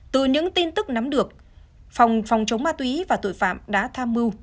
từ những tin tức nắm được phòng phòng chống ma túy và tội phạm đã tham mưu